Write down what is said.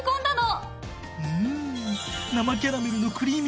うん！